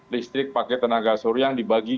listrik pakai tenaga surya yang dibagi